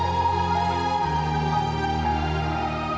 ibu ini jahat